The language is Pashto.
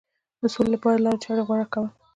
د سولې لپاره لارې چارې غوره کول.